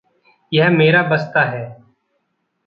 यह मेरा बस्ता है।